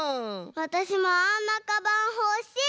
わたしもあんなかばんほしい！